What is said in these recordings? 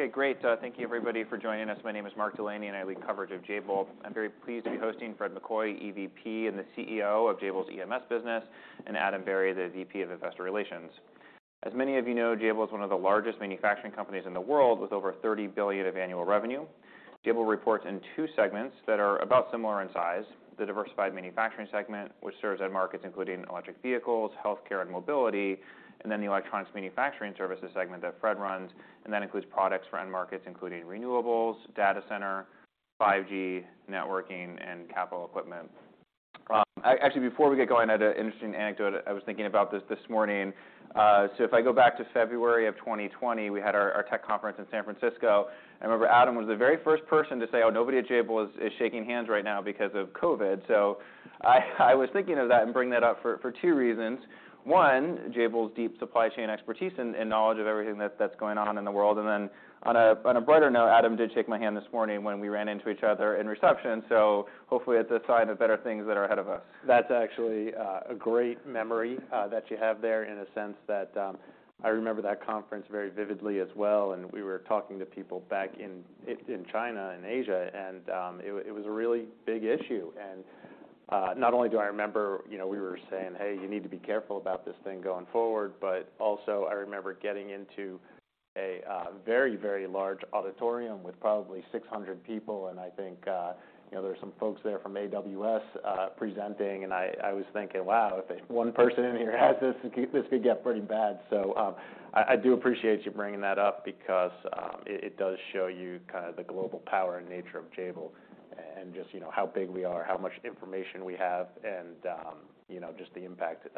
Okay, great. Thank you everybody for joining us. My name is Mark Delaney, and I lead coverage of Jabil. I'm very pleased to be hosting Fred McCoy, EVP and the CEO of Jabil's EMS business, and Adam Berry, the VP of Investor Relations. As many of you know, Jabil is one of the largest manufacturing companies in the world, with over $30 billion of annual revenue. Jabil reports in two segments that are about similar in size. The Diversified Manufacturing Services, which serves end markets including electric vehicles, healthcare, and mobility, and then the Electronics Manufacturing Services segment that Fred runs, and that includes products for end markets including renewables, data center, 5G networking, and capital equipment. Actually, before we get going, I had an interesting anecdote. I was thinking about this this morning. If I go back to February of 2020, we had our tech conference in San Francisco. I remember Adam was the very first person to say, "Oh, nobody at Jabil is shaking hands right now because of COVID." I was thinking of that and bring that up for two reasons. One, Jabil's deep supply chain expertise and knowledge of everything that's going on in the world. On a brighter note, Adam did shake my hand this morning when we ran into each other in reception, hopefully that's a sign of better things that are ahead of us. That's actually a great memory that you have there in a sense that, I remember that conference very vividly as well, and we were talking to people back in China and Asia and, it was a really big issue. Not only do I remember, you know, we were saying, "Hey, you need to be careful about this thing going forward," but also I remember getting into a very, very large auditorium with probably 600 people and I think, you know, there were some folks there from AWS presenting and I was thinking, "Wow, if one person in here has this could get pretty bad." I do appreciate you bringing that up because it does show you kind of the global power and nature of Jabil and just, you know, how big we are, how much information we have, and, you know, just the impact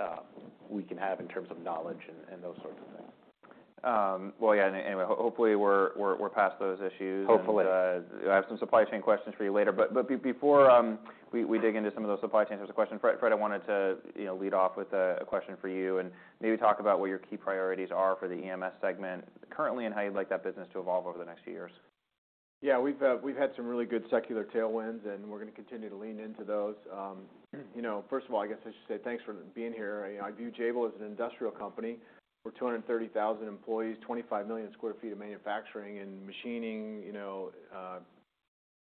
we can have in terms of knowledge and those sorts of things. Well, yeah. Anyway, hopefully we're past those issues. Hopefully. I have some supply chain questions for you later. Before, we dig into some of those supply chain types of questions, Fred, I wanted to, you know, lead off with a question for you and maybe talk about what your key priorities are for the EMS segment currently and how you'd like that business to evolve over the next few years. Yeah. We've had some really good secular tailwinds, and we're gonna continue to lean into those. You know, first of all, I guess I should say thanks for being here. You know, I view Jabil as an industrial company. We're 230,000 employees, 25 million square feet of manufacturing and machining, you know,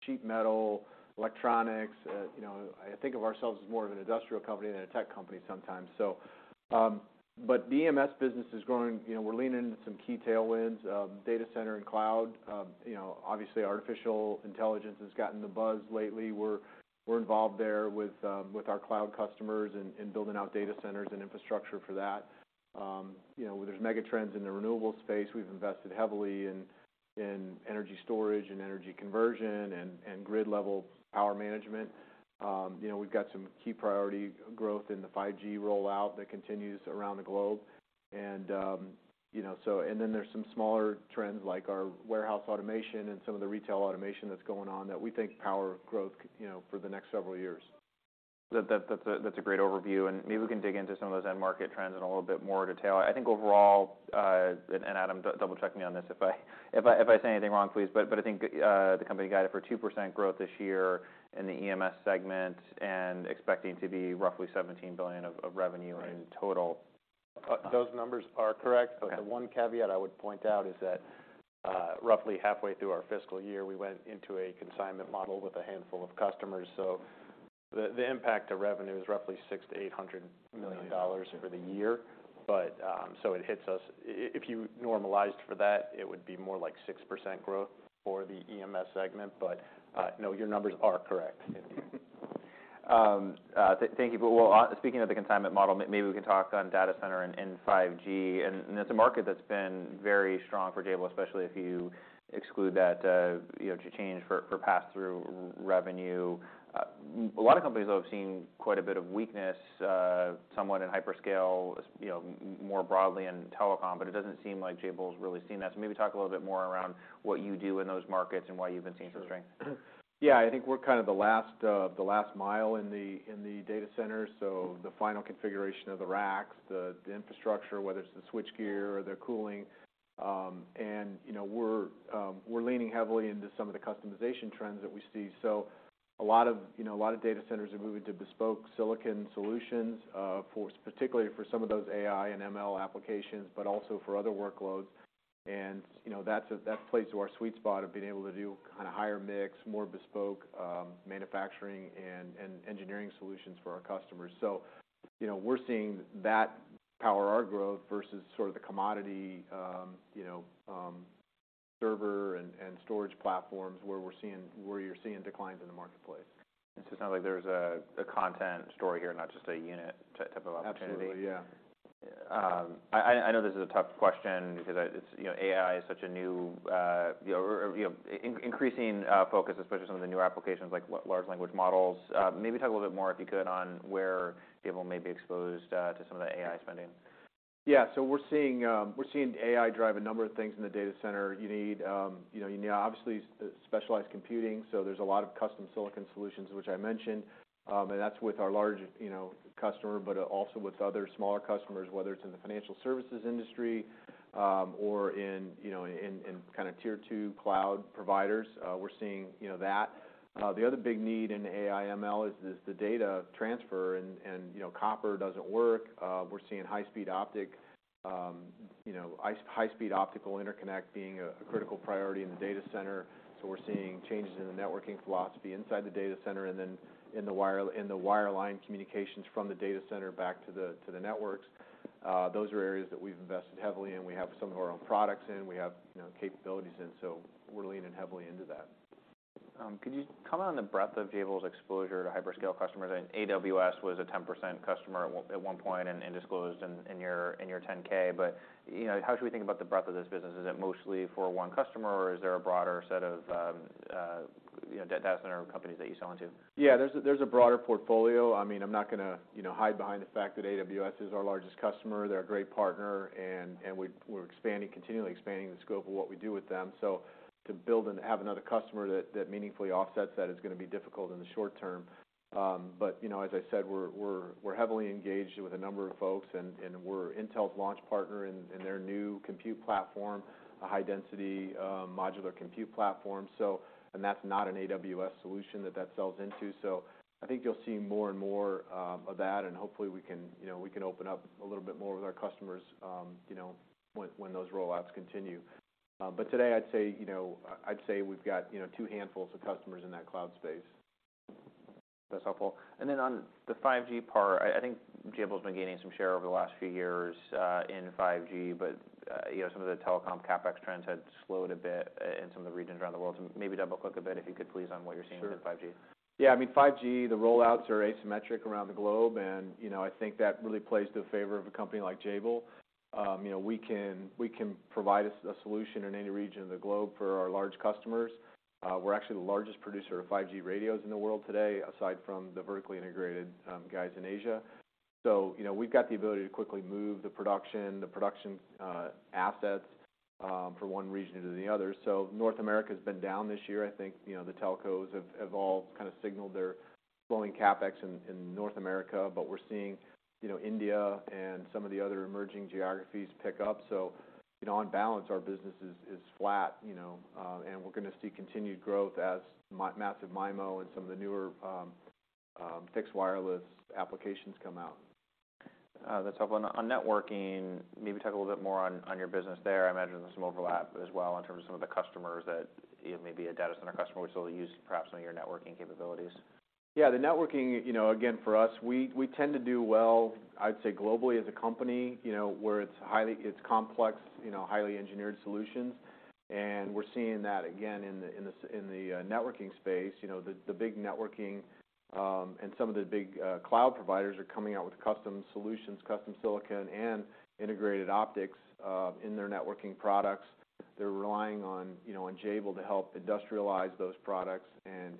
sheet metal, electronics. You know, I think of ourselves as more of an industrial company than a tech company sometimes. The EMS business is growing. You know, we're leaning into some key tailwinds, data center and cloud. You know, obviously artificial intelligence has gotten the buzz lately. We're involved there with our cloud customers and building out data centers and infrastructure for that. You know, there's megatrends in the renewable space. We've invested heavily in energy storage and energy conversion and grid-level power management. You know, we've got some key priority growth in the 5G rollout that continues around the globe. You know, so. Then there's some smaller trends like our warehouse automation and some of the retail automation that's going on that we think power growth you know, for the next several years. That's a great overview. Maybe we can dig into some of those end market trends in a little bit more detail. I think overall, Adam, double check me on this if I say anything wrong, please. I think the company guided for 2% growth this year in the EMS segment and expecting to be roughly $17 billion of revenue in total. Those numbers are correct. Okay. The one caveat I would point out is that, roughly halfway through our fiscal year, we went into a consignment model with a handful of customers. The impact to revenue is roughly $600 million-$800 million for the year. It hits us. If you normalized for that, it would be more like 6% growth for the EMS segment. No, your numbers are correct. thank you. Well, speaking of the consignment model, maybe we can talk on data center and 5G. It's a market that's been very strong for Jabil, especially if you exclude that, you know, change for pass-through revenue. A lot of companies have seen quite a bit of weakness, somewhat in hyperscale, you know, more broadly in telecom, but it doesn't seem like Jabil's really seen that. Maybe talk a little bit more around what you do in those markets and why you've been seeing some strength. Sure. Yeah. I think we're kind of the last, the last mile in the data center, so the final configuration of the racks, the infrastructure, whether it's the switchgear or the cooling. You know, we're leaning heavily into some of the customization trends that we see. A lot of, you know, a lot of data centers are moving to bespoke silicon solutions for, particularly for some of those AI and ML applications, but also for other workloads. You know, that plays to our sweet spot of being able to do kinda higher mix, more bespoke manufacturing and engineering solutions for our customers. You know, we're seeing that power our growth versus sort of the commodity, you know, server and storage platforms where you're seeing declines in the marketplace. It sounds like there's a content story here, not just a unit type of opportunity. Absolutely, yeah. I know this is a tough question because it's, you know, AI is such a new, you know, or, you know, increasing focus, especially some of the new applications like large language models. Maybe talk a little bit more, if you could, on where Jabil may be exposed to some of the AI spending? Yeah. We're seeing AI drive a number of things in the data center. You need, you know, you need obviously specialized computing, so there's a lot of custom silicon solutions which I mentioned. That's with our large, you know, customer, but also with other smaller customers, whether it's in the financial services industry, or in, you know, in kind of tier two cloud providers, we're seeing, you know, that. The other big need in AI/ML is this, the data transfer and, you know, copper doesn't work. We're seeing high-speed optic, you know, high-speed optical interconnect being a critical priority in the data center. We're seeing changes in the networking philosophy inside the data center and then in the wireline communications from the data center back to the networks. Those are areas that we've invested heavily in. We have some of our own products in, we have, you know, capabilities in. We're leaning heavily into that. Could you comment on the breadth of Jabil's exposure to hyperscale customers? I think AWS was a 10% customer at one point and disclosed in your 10-K. You know, how should we think about the breadth of this business? Is it mostly for one customer, or is there a broader set of, you know, data center companies that you sell into? Yeah, there's a broader portfolio. I mean, I'm not gonna, you know, hide behind the fact that AWS is our largest customer. They're a great partner and we're expanding, continually expanding the scope of what we do with them. To build and have another customer that meaningfully offsets that is gonna be difficult in the short term. But you know, as I said, we're heavily engaged with a number of folks and we're Intel's launch partner in their new compute platform, a high-density modular compute platform. That's not an AWS solution that sells into. I think you'll see more and more of that, and hopefully we can, you know, we can open up a little bit more with our customers, you know, when those rollouts continue. Today I'd say, you know, I'd say we've got, you know, two handfuls of customers in that cloud space. That's helpful. On the 5G part, I think Jabil's been gaining some share over the last few years, in 5G, but, you know, some of the telecom CapEx trends had slowed a bit in some of the regions around the world. Maybe double-click a bit, if you could, please, on what you're seeing. Sure... with 5G. Yeah, I mean, 5G, the rollouts are asymmetric around the globe, and, you know, I think that really plays to the favor of a company like Jabil. You know, we can, we can provide a solution in any region of the globe for our large customers. We're actually the largest producer of 5G radios in the world today, aside from the vertically integrated, guys in Asia. You know, we've got the ability to quickly move the production assets from one region to the other. North America's been down this year. I think, you know, the telcos have all kind of signaled they're slowing CapEx in North America. We're seeing, you know, India and some of the other emerging geographies pick up. you know, on balance, our business is flat, you know, and we're gonna see continued growth as massive MIMO and some of the newer, fixed wireless applications come out. That's helpful. On networking, maybe talk a little bit more on your business there. I imagine there's some overlap as well in terms of some of the customers that, you know, maybe a data center customer will still use perhaps some of your networking capabilities? Yeah. The networking, you know, again, for us, we tend to do well, I'd say globally as a company, you know, where it's complex, you know, highly engineered solutions. We're seeing that again in the networking space. You know, the big networking and some of the big cloud providers are coming out with custom solutions, custom silicon, and integrated optics in their networking products. They're relying on, you know, on Jabil to help industrialize those products and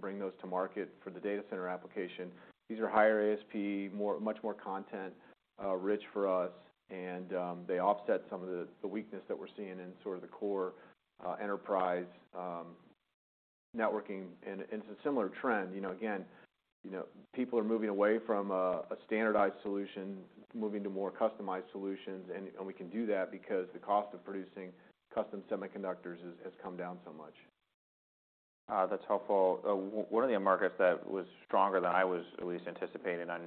bring those to market for the data center application. These are higher ASP, much more content rich for us. They offset some of the weakness that we're seeing in sort of the core enterprise networking. It's a similar trend. You know, again, you know, people are moving away from a standardized solution, moving to more customized solutions and we can do that because the cost of producing custom semiconductors has come down so much. That's helpful. One of the markets that was stronger than I was at least anticipating on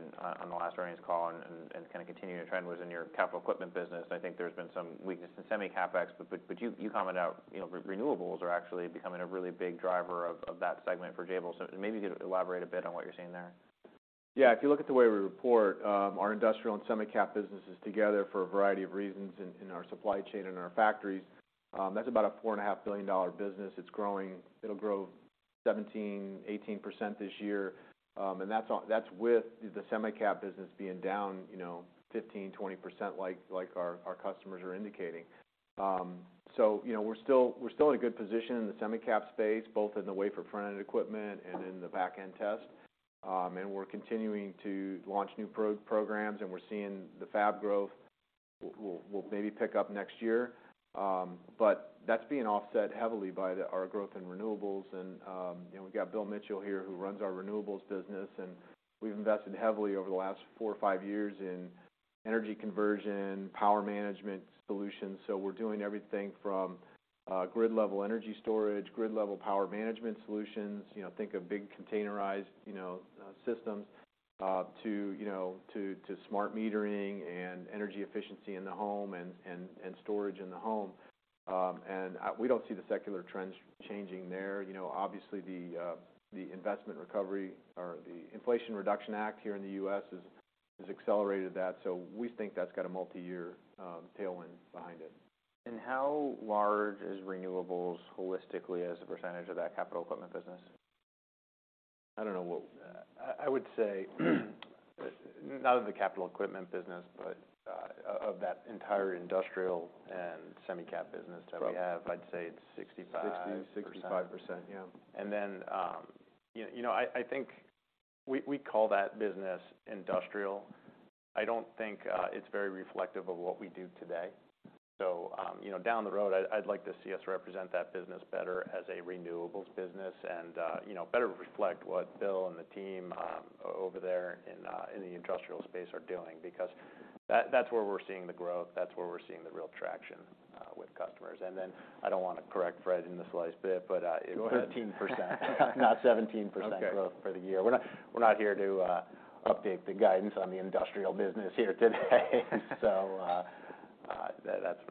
the last earnings call and kind of continuing to trend was in your capital equipment business. I think there's been some weakness in semi CapEx, but you commented how, you know, renewables are actually becoming a really big driver of that segment for Jabil. Maybe you could elaborate a bit on what you're seeing there. Yeah. If you look at the way we report, our industrial and semi-cap businesses together for a variety of reasons in our supply chain and our factories, that's about a $4.5 billion business. It's growing. It'll grow 17%-18% this year. That's with the semi-cap business being down, you know, 15%-20% like our customers are indicating. You know, we're still, we're still in a good position in the semi-cap space, both in the wafer front-end equipment and in the back-end test. We're continuing to launch new pro-programs, and we're seeing the fab growth will maybe pick up next year. That's being offset heavily by our growth in renewables. You know, we've got Bill Mitchell here, who runs our renewables business, and we've invested heavily over the last four or five years in energy conversion, power management solutions. We're doing everything from grid-level energy storage, grid-level power management solutions, you know, think of big containerized, you know, systems, to smart metering and energy efficiency in the home and storage in the home. We don't see the secular trends changing there. You know, obviously the Inflation Reduction Act here in the U.S. has accelerated that. We think that's got a multiyear tailwind behind it. How large is renewables holistically as a % of that capital equipment business? I don't know what I would say, not of the capital equipment business, but of that entire industrial and semi-cap business that we have. Sure I'd say it's 65%. 60, 65%. Yeah. Then, you know, I think we call that business industrial. I don't think it's very reflective of what we do today. you know, down the road, I'd like to see us represent that business better as a renewables business and, you know, better reflect what Bill and the team, over there in the industrial space are doing because that's where we're seeing the growth, that's where we're seeing the real traction, with customers. I don't wanna correct Fred in the slightest bit, but. 13%, not 17% growth for the year. Okay. We're not here to, update the guidance on the industrial business here today.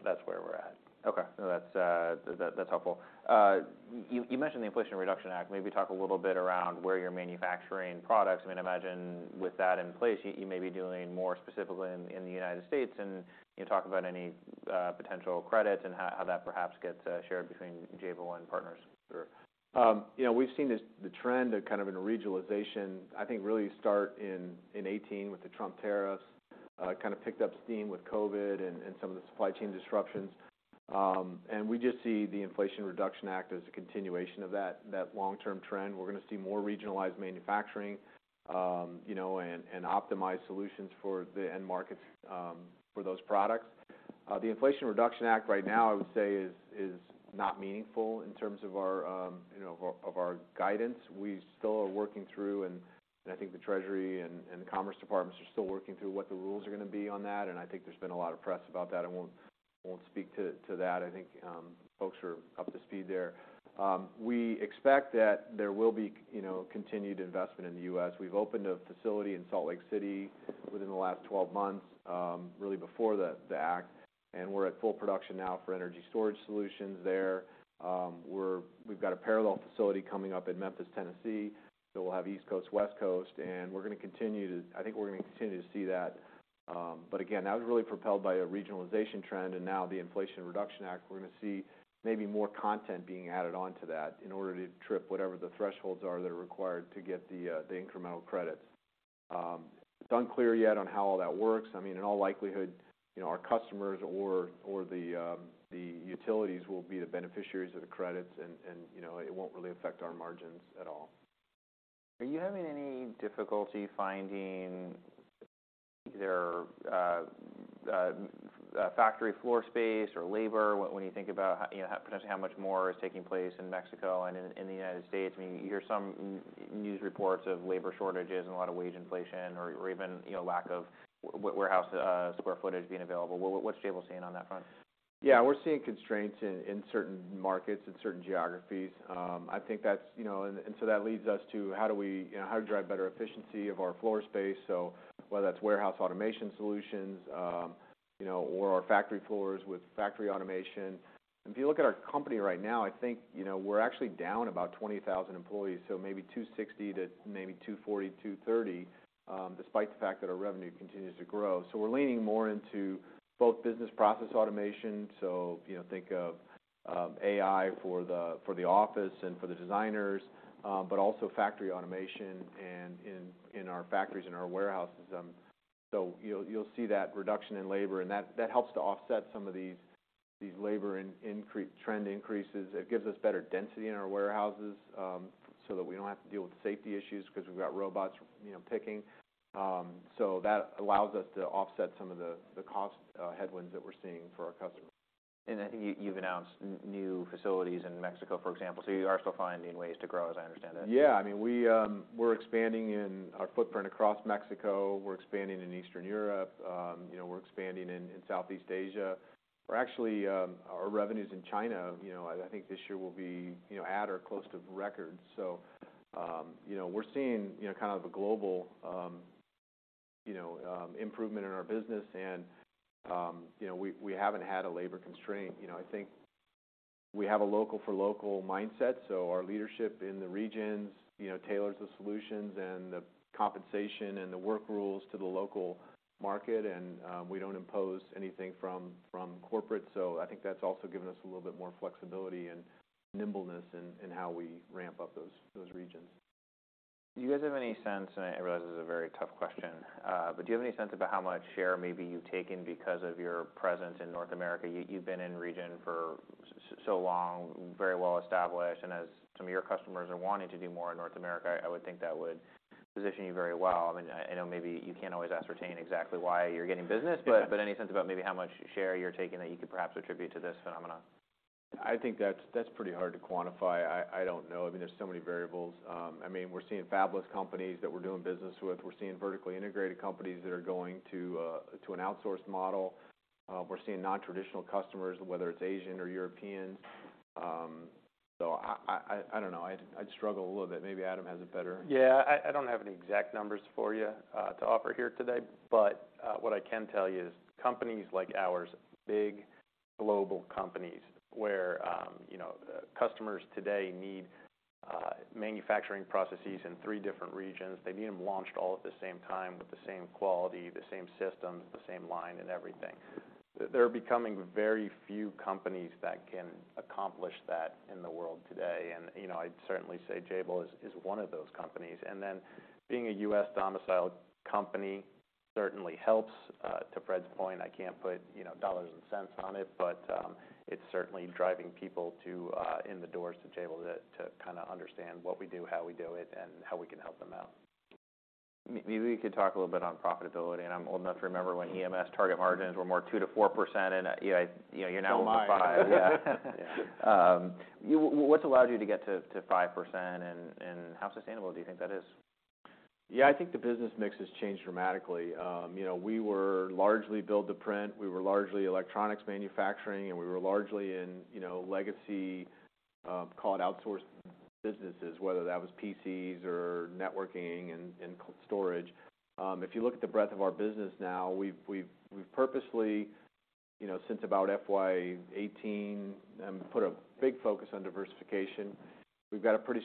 That's where we're at. Okay. No, that's helpful. You mentioned the Inflation Reduction Act. Maybe talk a little bit around where you're manufacturing products. I mean, I imagine with that in place, you may be doing more specifically in the United States and, you know, talk about any potential credits and how that perhaps gets shared between Jabil and partners. Sure. You know, we've seen the trend kind of in regionalization, I think really start in 2018 with the Trump tariffs, kind of picked up steam with COVID and some of the supply chain disruptions. We just see the Inflation Reduction Act as a continuation of that long-term trend. We're gonna see more regionalized manufacturing, you know, and optimized solutions for the end markets for those products. The Inflation Reduction Act right now, I would say is not meaningful in terms of our, you know, of our guidance. We still are working through, and I think the Treasury and the Commerce Department are still working through what the rules are gonna be on that, and I think there's been a lot of press about that. I won't speak to that. I think folks are up to speed there. We expect that there will be, you know, continued investment in the U.S. We've opened a facility in Salt Lake City within the last 12 months, really before the Act, and we're at full production now for energy storage solutions there. We've got a parallel facility coming up in Memphis, Tennessee. We'll have East Coast, West Coast, and we're gonna continue to. I think we're gonna continue to see that. Again, that was really propelled by a regionalization trend, and now the Inflation Reduction Act, we're gonna see maybe more content being added on to that in order to trip whatever the thresholds are that are required to get the incremental credits. It's unclear yet on how all that works. I mean, in all likelihood, you know, our customers or the utilities will be the beneficiaries of the credits and, you know, it won't really affect our margins at all. Are you having any difficulty finding either, factory floor space or labor when you think about you know, potentially how much more is taking place in Mexico and in the United States? I mean, you hear some news reports of labor shortages and a lot of wage inflation or even, you know, lack of warehouse, square footage being available. What's Jabil seeing on that front? Yeah. We're seeing constraints in certain markets, in certain geographies. I think that's, you know. That leads us to how do we, you know, how to drive better efficiency of our floor space, so whether that's warehouse automation solutions, you know, or our factory floors with factory automation. If you look at our company right now, I think, you know, we're actually down about 20,000 employees, so maybe 260 to maybe 240, 230, despite the fact that our revenue continues to grow. We're leaning more into both business process automation. Think of AI for the, for the office and for the designers, but also factory automation and our factories and our warehouses. You'll see that reduction in labor, and that helps to offset some of these labor trend increases. It gives us better density in our warehouses, that we don't have to deal with safety issues 'cause we've got robots, you know, picking. That allows us to offset some of the cost headwinds that we're seeing for our customers. I think you've announced new facilities in Mexico, for example. You are still finding ways to grow, as I understand it. Yeah. I mean, we're expanding in our footprint across Mexico. We're expanding in Eastern Europe. You know, we're expanding in Southeast Asia. We're actually, our revenues in China, you know, I think this year will be, you know, at or close to the record. You know, we're seeing, you know, kind of a global, you know, improvement in our business. You know, we haven't had a labor constraint. You know, I think we have a local for local mindset, so our leadership in the regions, you know, tailors the solutions and the compensation and the work rules to the local market. We don't impose anything from corporate. I think that's also given us a little bit more flexibility and nimbleness in how we ramp up those regions. Do you guys have any sense, and I realize this is a very tough question, but do you have any sense about how much share maybe you've taken because of your presence in North America? You, you've been in region for so long, very well established, and as some of your customers are wanting to do more in North America, I would think that would position you very well. I mean, I know maybe you can't always ascertain exactly why you're getting business. Yeah. Any sense about maybe how much share you're taking that you could perhaps attribute to this phenomenon? I think that's pretty hard to quantify. I don't know. I mean, there's so many variables. I mean, we're seeing fabulous companies that we're doing business with. We're seeing vertically integrated companies that are going to an outsourced model. We're seeing non-traditional customers, whether it's Asian or European. I don't know. I'd struggle a little bit. Maybe Adam has a better-. Yeah. I don't have any exact numbers for you to offer here today. But, what I can tell you is companies like ours, big global companies where, you know, the customers today need manufacturing processes in three different regions. They need them launched all at the same time with the same quality, the same systems, the same line and everything. There're becoming very few companies that can accomplish that in the world today. You know, I'd certainly say Jabil is one of those companies. Then being a U.S. domiciled company certainly helps to Fred's point. I can't put, you know, dollars and cents on it, but it's certainly driving people to in the doors to Jabil to kinda understand what we do, how we do it, and how we can help them out. Maybe we could talk a little bit on profitability, and I'm old enough to remember when EMS target margins were more 2%-4% and, you know, you're now looking at 5%. Don't lie. Yeah. What's allowed you to get to 5% and how sustainable do you think that is? Yeah, I think the business mix has changed dramatically. You know, we were largely build to print. We were largely electronics manufacturing, and we were largely in, you know, legacy, call it outsource businesses, whether that was PCs or networking and storage. If you look at the breadth of our business now, we've purposely, you know, since about FY2018, put a big focus on diversification. We've got a pretty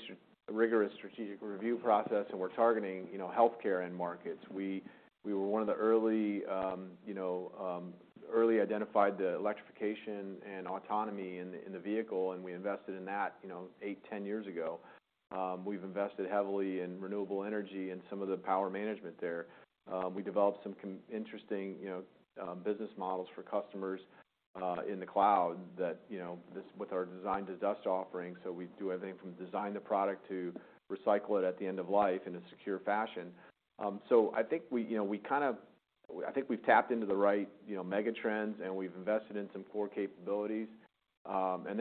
rigorous strategic review process, and we're targeting, you know, healthcare end markets. We were one of the early, you know, early identified the electrification and autonomy in the vehicle, and we invested in that, you know, 8, 10 years ago. We've invested heavily in renewable energy and some of the power management there. We developed some interesting, you know, business models for customers, in the cloud that, you know, with our design to dust offerings. We do everything from design the product to recycle it at the end of life in a secure fashion. I think we, you know, I think we've tapped into the right, you know, mega trends, and we've invested in some core capabilities.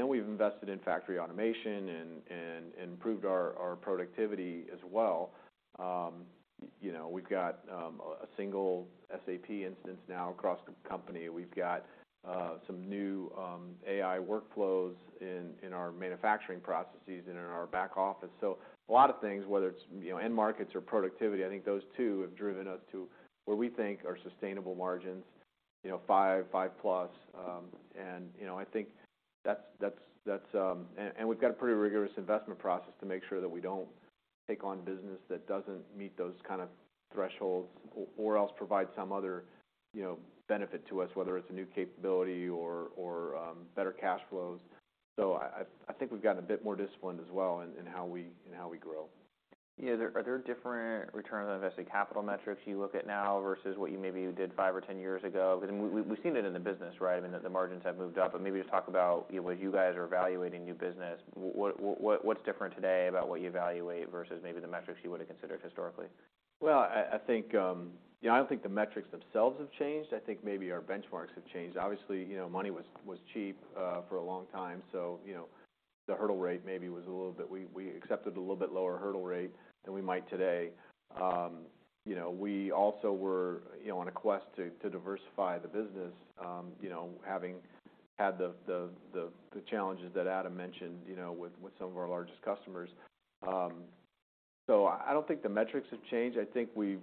We've invested in factory automation and improved our productivity as well. You know, we've got a single SAP instance now across the company. We've got some new AI workflows in our manufacturing processes and in our back office. A lot of things, whether it's, you know, end markets or productivity, I think those two have driven us to where we think are sustainable margins, you know, 5% plus. you know, I think that's. We've got a pretty rigorous investment process to make sure that we don't take on business that doesn't meet those kind of thresholds or else provide some other, you know, benefit to us, whether it's a new capability or better cash flows. I think we've gotten a bit more disciplined as well in how we grow. Yeah. Are there different return on invested capital metrics you look at now versus what you maybe did 5 or 10 years ago? I mean, we've seen it in the business, right? I mean, that the margins have moved up. Maybe just talk about, you know, when you guys are evaluating new business, what's different today about what you evaluate versus maybe the metrics you would've considered historically? I think, you know, I don't think the metrics themselves have changed. I think maybe our benchmarks have changed. Obviously, you know, money was cheap for a long time. You know, the hurdle rate maybe was a little bit. We accepted a little bit lower hurdle rate than we might today. You know, we also were, you know, on a quest to diversify the business, you know, having had the challenges that Adam mentioned, you know, with some of our largest customers. I don't think the metrics have changed. I think we've,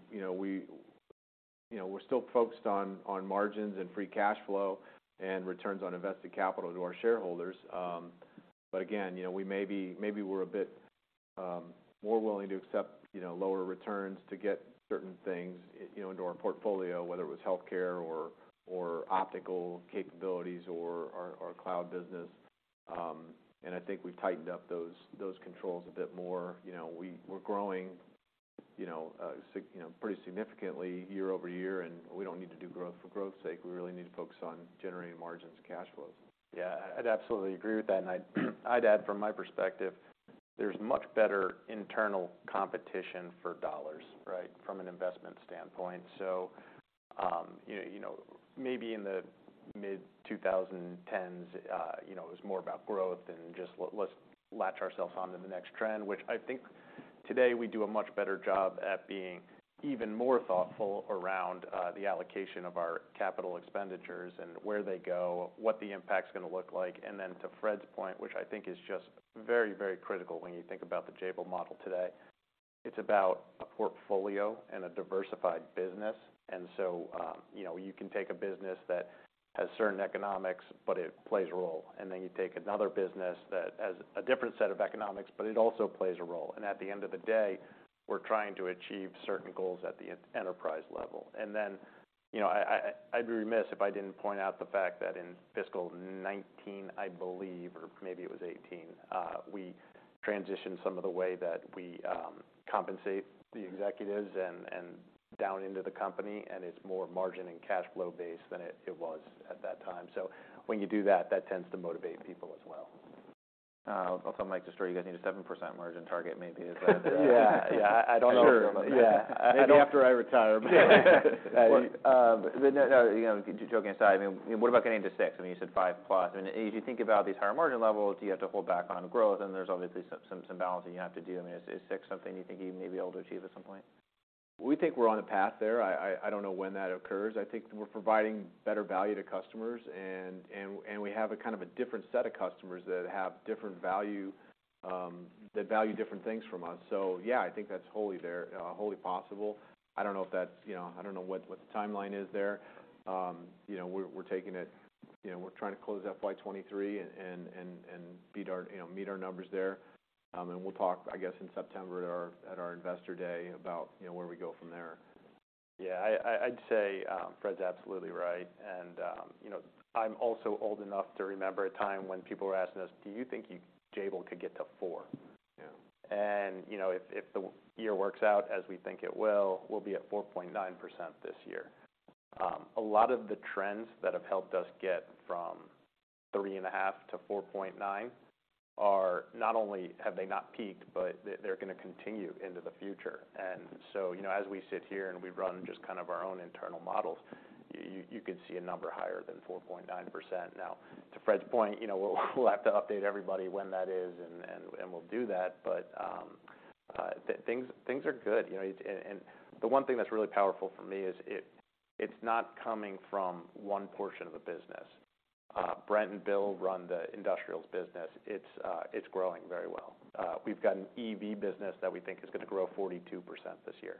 you know, we're still focused on margins and free cash flow and returns on invested capital to our shareholders. Again, you know, maybe we're a bit more willing to accept, you know, lower returns to get certain things, you know, into our portfolio, whether it was healthcare or optical capabilities or our cloud business. I think we've tightened up those controls a bit more. You know, we're growing, you know, pretty significantly year-over-year, and we don't need to do growth for growth's sake. We really need to focus on generating margins and cash flows. Yeah. I'd absolutely agree with that. I'd add from my perspective, there's much better internal competition for $, right? From an investment standpoint. You know, maybe in the mid two thousand tens, you know, it was more about growth and just let's latch ourselves onto the next trend, which I think today we do a much better job at being even more thoughtful around the allocation of our capital expenditures and where they go, what the impact's gonna look like. Then to Fred's point, which I think is just very, very critical when you think about the Jabil model today, it's about a portfolio and a diversified business. You know, you can take a business that has certain economics, but it plays a role, and then you take another business that has a different set of economics, but it also plays a role. At the end of the day, we're trying to achieve certain goals at the enterprise level. You know, I'd be remiss if I didn't point out the fact that in fiscal 19, I believe, or maybe it was 18, we transitioned some of the way that we compensate the executives and down into the company, and it's more margin and cash flow based than it was at that time. When you do that tends to motivate people as well. I'll tell Mike to start you guys need a 7% margin target maybe is what I hear. Yeah. Yeah. I don't know. Sure. Yeah. Maybe after I retire. No, you know, joking aside, I mean, what about getting to six? I mean, you said five plus. If you think about these higher margin levels, you have to hold back on growth, and there's obviously some balance that you have to do. I mean, is six something you think you may be able to achieve at some point? We think we're on a path there. I don't know when that occurs. I think we're providing better value to customers and we have a kind of a different set of customers that have different value, that value different things from us. Yeah, I think that's wholly there, wholly possible. I don't know if that's, you know, I don't know what the timeline is there. You know, we're taking it, you know, we're trying to close FY23 and beat our, you know, meet our numbers there. We'll talk, I guess, in September at our Investor Briefing about, you know, where we go from there. Yeah. I'd say, Fred's absolutely right. You know, I'm also old enough to remember a time when people were asking us, "Do you think you Jabil could get to four? Yeah. You know, if the year works out as we think it will, we'll be at 4.9% this year. A lot of the trends that have helped us get from 3.5%-4.9% are not only have they not peaked, but they're gonna continue into the future. You know, as we sit here and we run just kind of our own internal models, you could see a number higher than 4.9%. To Fred's point, you know, we'll have to update everybody when that is and we'll do that. Things are good, you know. The one thing that's really powerful for me is it's not coming from one portion of the business. Brent and Bill run the industrials business. It's growing very well. We've got an EV business that we think is gonna grow 42% this year.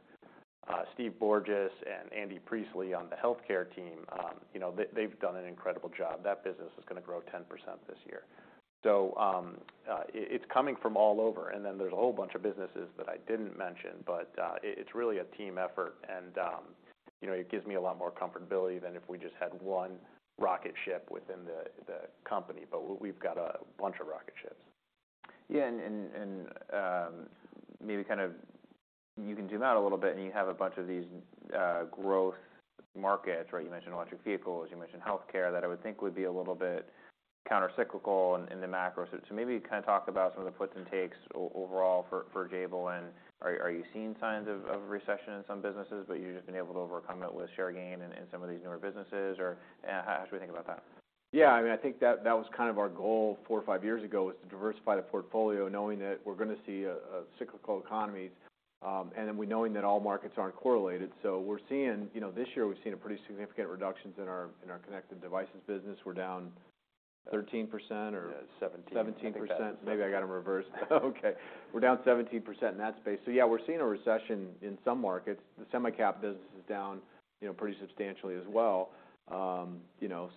Steve Borges and Andy Priestley on the healthcare team, you know, they've done an incredible job. That business is gonna grow 10% this year. It's coming from all over, and then there's a whole bunch of businesses that I didn't mention, but it's really a team effort and, you know, it gives me a lot more comfortability than if we just had one rocket ship within the company, but we've got a bunch of rocket ships. Yeah, and maybe kind of you can zoom out a little bit and you have a bunch of these growth markets, right? You mentioned electric vehicles, you mentioned healthcare that I would think would be a little bit countercyclical in the macro. Maybe kind of talk about some of the puts and takes overall for Jabil, and are you seeing signs of recession in some businesses, but you've just been able to overcome it with share gain in some of these newer businesses? How should we think about that? Yeah. I mean, I think that was kind of our goal four or five years ago, was to diversify the portfolio knowing that we're gonna see a cyclical economies, and then we knowing that all markets aren't correlated. We're seeing, you know, this year we've seen a pretty significant reductions in our connected devices business. We're down 13%. Yeah, 17. 17%. I think that's it. Maybe I got them reversed. We're down 17% in that space. Yeah, we're seeing a recession in some markets. The semi-cap business is down, you know, pretty substantially as well. you know,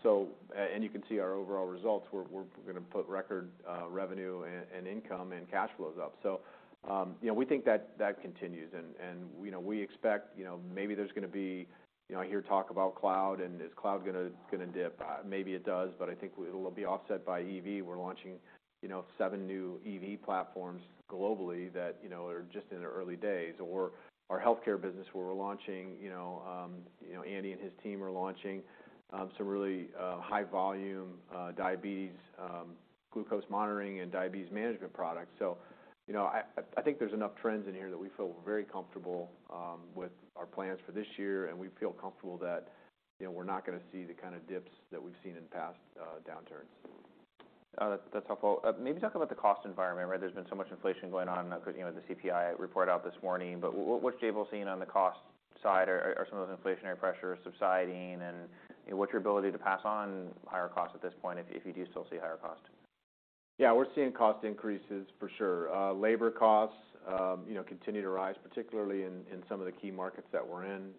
You can see our overall results. We're gonna put record revenue and income and cash flows up. you know, we think that that continues and, you know, we expect, you know, maybe there's gonna be, you know, I hear talk about cloud and is cloud gonna dip? Maybe it does, but I think it'll be offset by EV. We're launching, you know, seven new EV platforms globally that, you know, are just in the early days. Our healthcare business, where we're launching, you know, you know, Andy and his team are launching some really high volume diabetes glucose monitoring and diabetes management products. You know, I think there's enough trends in here that we feel very comfortable with our plans for this year, and we feel comfortable that, you know, we're not gonna see the kind of dips that we've seen in past downturns. That, that's helpful. Maybe talk about the cost environment, right? There's been so much inflation going on, you know, the CPI report out this morning. What's Jabil seeing on the cost side? Are some of those inflationary pressures subsiding? You know, what's your ability to pass on higher costs at this point if you do still see higher cost? Yeah. We're seeing cost increases for sure. Labor costs, you know, continue to rise, particularly in some of the key markets that we're in.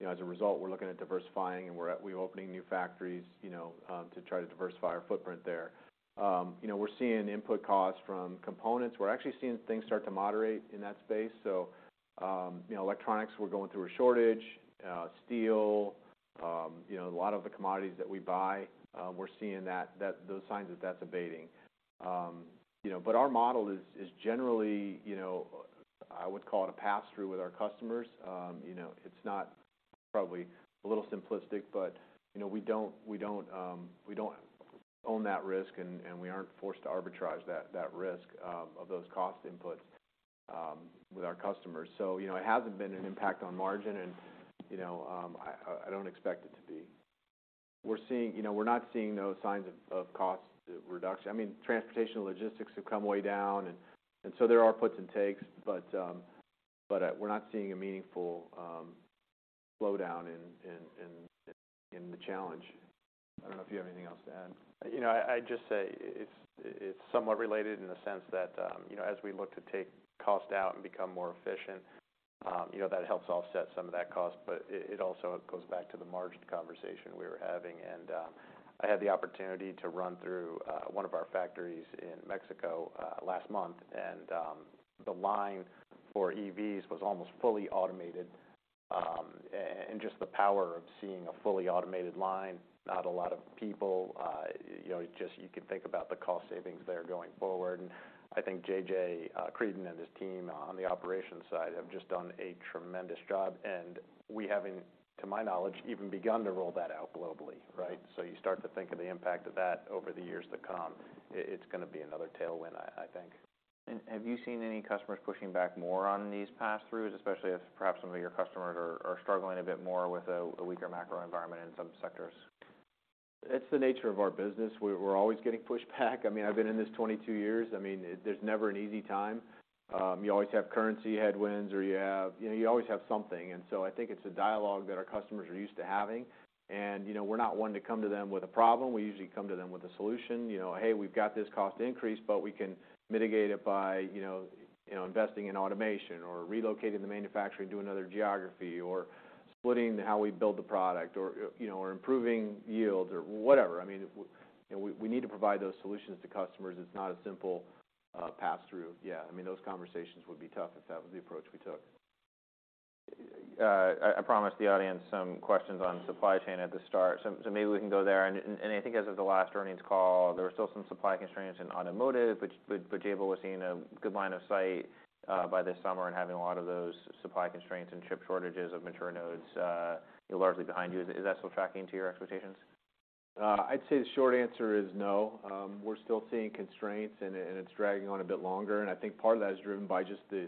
You know, as a result, we're looking at diversifying and we're opening new factories, you know, to try to diversify our footprint there. You know, we're seeing input costs from components. We're actually seeing things start to moderate in that space. You know, electronics, we're going through a shortage. Steel, you know, a lot of the commodities that we buy, we're seeing that, those signs that that's abating. You know, our model is generally, you know, I would call it a pass-through with our customers. You know, it's not probably a little simplistic, but, you know, we don't own that risk and we aren't forced to arbitrage that risk, of those cost inputs, with our customers. You know, it hasn't been an impact on margin and, you know, I don't expect it to be. We're seeing, you know, we're not seeing those signs of cost reduction. I mean, transportation and logistics have come way down and so there are puts and takes, but we're not seeing a meaningful slowdown in the challenge. I don't know if you have anything else to add. You know, I'd just say it's somewhat related in the sense that, you know, as we look to take cost out and become more efficient, you know, that helps offset some of that cost. It, it also goes back to the margin conversation we were having. I had the opportunity to run through one of our factories in Mexico last month, and the line for EVs was almost fully automated. Just the power of seeing a fully automated line, not a lot of people, you know, just you can think about the cost savings there going forward. I think JJ Creadon and his team on the operations side have just done a tremendous job, and we haven't, to my knowledge, even begun to roll that out globally, right? You start to think of the impact of that over the years to come. It's gonna be another tailwind, I think. Have you seen any customers pushing back more on these pass-throughs, especially if perhaps some of your customers are struggling a bit more with a weaker macro environment in some sectors? It's the nature of our business. We're always getting pushback. I mean, I've been in this 22 years. I mean, there's never an easy time. You always have currency headwinds or you have, you know, you always have something. I think it's a dialogue that our customers are used to having. You know, we're not one to come to them with a problem. We usually come to them with a solution. You know, "Hey, we've got this cost increase, but we can mitigate it by, you know, investing in automation or relocating the manufacturing to another geography or splitting how we build the product or, you know, or improving yields or whatever." I mean, we, you know, we need to provide those solutions to customers. It's not a simple pass-through. Yeah. I mean, those conversations would be tough if that was the approach we took. I promised the audience some questions on supply chain at the start, maybe we can go there. I think as of the last earnings call, there were still some supply constraints in automotive, but Jabil was seeing a good line of sight by this summer and having a lot of those supply constraints and chip shortages of mature nodes largely behind you. Is that still tracking to your expectations? I'd say the short answer is no. We're still seeing constraints and it's dragging on a bit longer, and I think part of that is driven by just the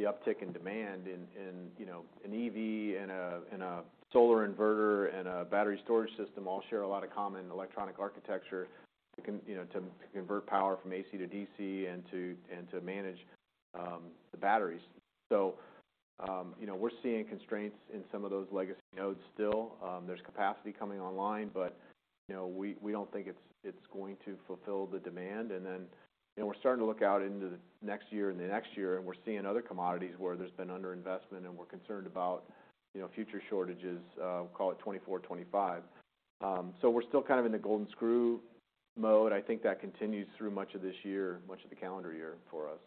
uptick in demand in, you know, an EV and a, and a solar inverter and a battery storage system all share a lot of common electronic architecture that can, you know, convert power from AC to DC and to manage the batteries. You know, we're seeing constraints in some of those legacy nodes still. There's capacity coming online, you know, we don't think it's going to fulfill the demand. You know, we're starting to look out into the next year and the next year and we're seeing other commodities where there's been underinvestment and we're concerned about, you know, future shortages of, call it 2024, 2025. We're still kind of in the golden screw mode. I think that continues through much of this year, much of the calendar year for us.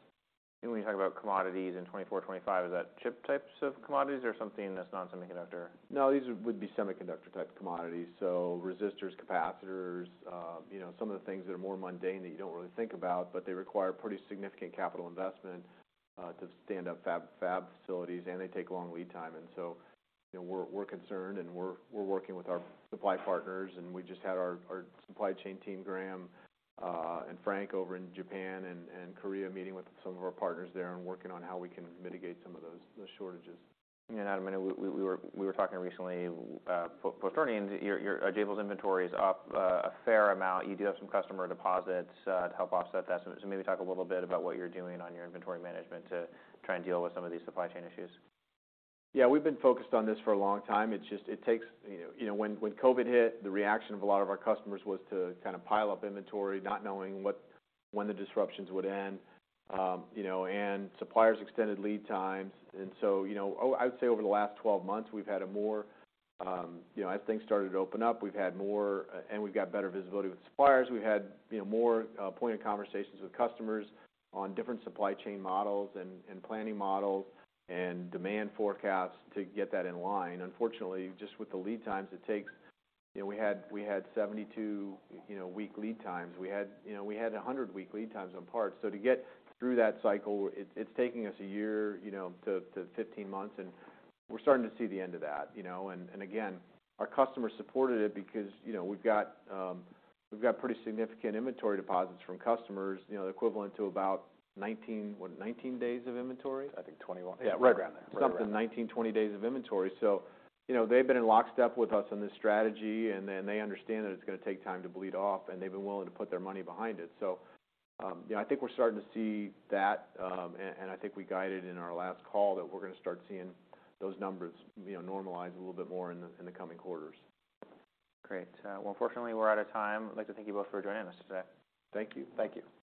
When you talk about commodities in 2024, 2025, is that chip types of commodities or something that's non-semiconductor? No, these would be semiconductor-type commodities, so resistors, capacitors, you know, some of the things that are more mundane that you don't really think about, but they require pretty significant capital investment to stand up fab facilities and they take a long lead time. you know, we're concerned and we're working with our supply partners, and we just had our supply chain team, Graham, and Frank over in Japan and Korea meeting with some of our partners there and working on how we can mitigate some of those shortages. Yeah. Adam, and we were talking recently, before turning in, Jabil's inventory is up, a fair amount. You do have some customer deposits, to help offset that. Maybe talk a little bit about what you're doing on your inventory management to try and deal with some of these supply chain issues. Yeah. We've been focused on this for a long time. It's just, it takes, you know. You know, when COVID hit, the reaction of a lot of our customers was to kind of pile up inventory, not knowing when the disruptions would end. You know, and suppliers extended lead times. You know, I would say over the last 12 months, we've had a more, you know, as things started to open up, we've had more, and we've got better visibility with suppliers. We've had, you know, more pointed conversations with customers on different supply chain models and planning models and demand forecasts to get that in line. Unfortunately, just with the lead times it takes, you know, we had 72 week lead times. We had 100-week lead times on parts. To get through that cycle, it's taking us a year, you know, to 15 months, and we're starting to see the end of that. You know, again, our customers supported it because, you know, we've got pretty significant inventory deposits from customers, you know, equivalent to about 19 days of inventory? I think 21. Right. Yeah, right around there. Right around there. Something, 19, 20 days of inventory. You know, they've been in lockstep with us on this strategy. They understand that it's gonna take time to bleed off, and they've been willing to put their money behind it. You know, I think we're starting to see that, and I think we guided in our last call that we're gonna start seeing those numbers, you know, normalize a little bit more in the coming quarters. Great. Well, unfortunately, we're out of time. I'd like to thank you both for joining us today. Thank you. Thank you. Appreciate it.